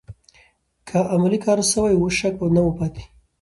که عملي کار سوی و، شک به نه و پاتې.